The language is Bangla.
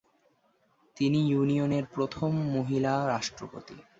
তিনি ইউনিয়নের প্রথম মহিলা রাষ্ট্রপতি।